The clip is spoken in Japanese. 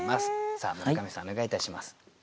さあ村上さんお願いいたします。